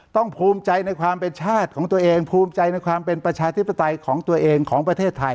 ภูมิใจในความเป็นชาติของตัวเองภูมิใจในความเป็นประชาธิปไตยของตัวเองของประเทศไทย